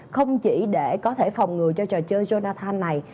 không chỉ để có thể phòng ngừa cho trò chơi jonathan này